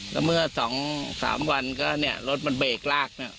แล้วเมื่อสองสามวันก็เนี้ยรถมันเบรกรากเนี้ย